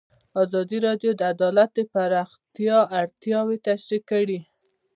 ازادي راډیو د عدالت د پراختیا اړتیاوې تشریح کړي.